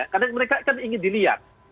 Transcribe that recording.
karena mereka kan ingin dilihat